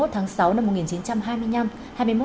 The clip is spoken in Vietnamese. hai mươi tháng sáu năm một nghìn chín trăm hai mươi năm